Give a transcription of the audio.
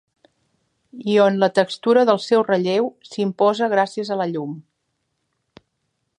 I on la textura del seu relleu s’imposa gràcies a la llum.